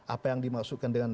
apa yang dimasukkan dengan